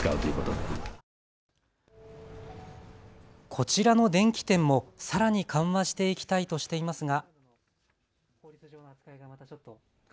こちらの電器店もさらに緩和していきたいとしていますが。